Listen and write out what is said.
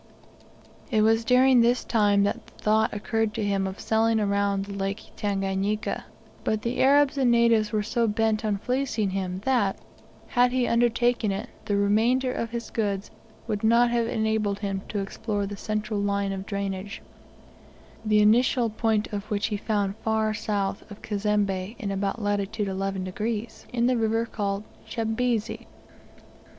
It was during this time that the thought occurred to him of sailing around the Lake Tanganika, but the Arabs and natives were so bent upon fleecing him that, had he undertaken it, the remainder or his goods would not have enabled him to explore the central line of drainage, the initial point of which he found far south of Cazembe's in about latitude 11 degrees, in the river called Chambezi.